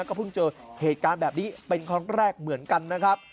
ก็เพิ่งเจอเหตุการณ์แบบนี้เป็นครั้งแรกเหมือนกันนะครับ